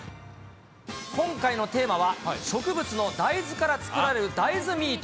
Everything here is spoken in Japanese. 今回のテーマは、植物の大豆から作られる大豆ミート。